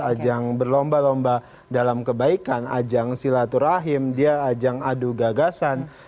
ajang berlomba lomba dalam kebaikan ajang silaturahim dia ajang adu gagasan